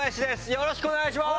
よろしくお願いします！